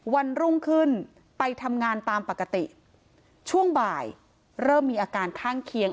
วันรุ่งขึ้นไปทำงานตามปกติช่วงบ่ายเริ่มมีอาการข้างเคียง